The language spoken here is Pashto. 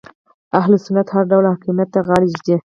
اهل سنت هر ډول حاکمیت ته غاړه ږدي